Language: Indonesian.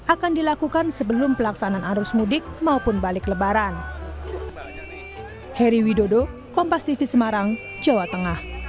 akan dilakukan sebelum pelaksanaan arus mudik maupun balik lebaran